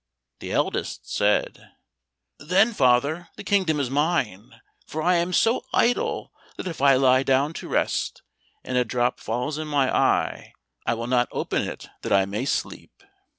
The eldest said, "Then, father, the kingdom is mine, for I am so idle that if I lie down to rest, and a drop falls in my eye, I will not open it that I may sleep."